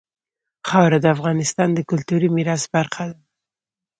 خاوره د افغانستان د کلتوري میراث برخه ده.